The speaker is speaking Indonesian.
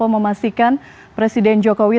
memastikan presiden jokowi